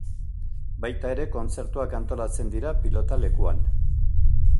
Baita ere kontzertuak antolatzen dira pilotalekuan.